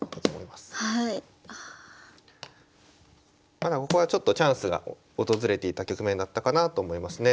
まだここはちょっとチャンスが訪れていた局面だったかなと思いますね。